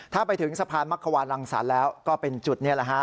ถ้าไปถึงสะพานมักขวานรังสรรค์แล้วก็เป็นจุดนี่แหละฮะ